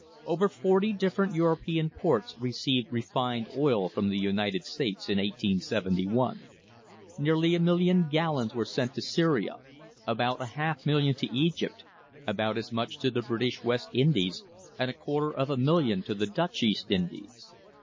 Over forty different European ports received refined oil from the United States in 1871. Nearly a million gallons were sent to Syria, about a half million to Egypt, about as much to the British West Indies, and a quarter of a million to the Dutch East Indies.